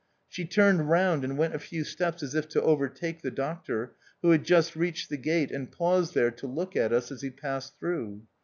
She turned round and went a few steps as if to overtake the doctor, who had just reached the gate and paused there to look at us as he passed through.